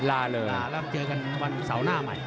แล้วเจอกันวันเสาร์หน้าใหม่